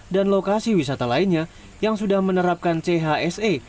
lokasi wisata lainnya yang sudah menerapkan chse